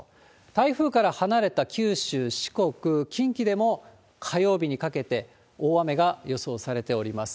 台風から離れた九州、四国、近畿でも、火曜日にかけて大雨が予想されております。